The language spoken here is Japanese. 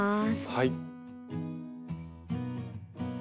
はい。